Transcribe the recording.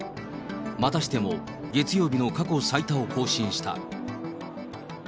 またしても月曜日の過去最多を更新した。